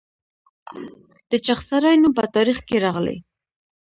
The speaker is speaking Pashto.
د چغسرای نوم په تاریخ کې راغلی